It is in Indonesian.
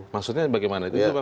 maksudnya bagaimana itu pak soejo